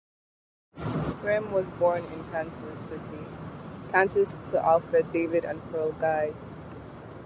Scrimm was born in Kansas City, Kansas to Alfred David and Pearl Guy.